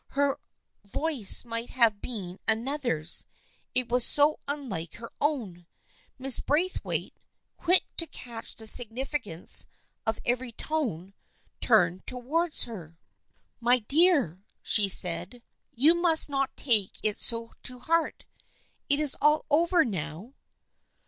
Her voice might have been another's, it was so unlike her own. Mrs. Braithwaite, quick to catch the significance of every tone, turned towards her. 284 THE FRIENDSHIP OF ANNE " My dear," she said, " you must not take it so to heart. It is all over now."